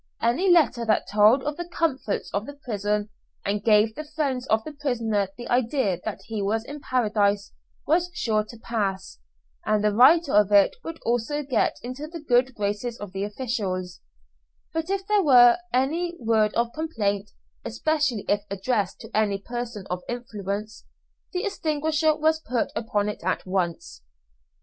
Any letter that told of the comforts of the prison, and gave the friends of the prisoner the idea that he was in Paradise was sure to pass, and the writer of it would also get into the good graces of the officials; but if there was any word of complaint, especially if addressed to any person of influence, the extinguisher was put upon it at once.